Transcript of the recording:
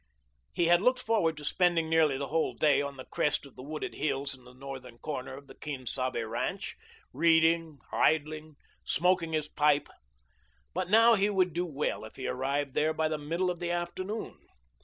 He had looked forward to spending nearly the whole day on the crest of the wooded hills in the northern corner of the Quien Sabe ranch, reading, idling, smoking his pipe. But now he would do well if he arrived there by the middle of the afternoon.